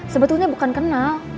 sebetulnya bukan kenal